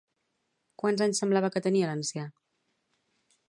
Quants anys semblava que tenia l'ancià?